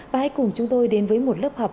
và hãy cùng chúng tôi đến với một lớp học